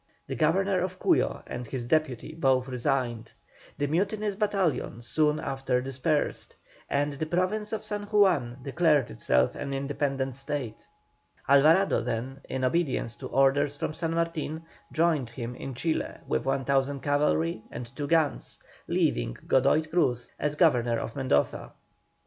The Governor of Cuyo and his deputy both resigned. The mutinous battalion soon after dispersed, and the Province of San Juan declared itself an independent state. Alvarado then, in obedience to orders from San Martin, joined him in Chile with 1,000 cavalry and two guns, leaving Godoy Cruz as Governor of Mendoza.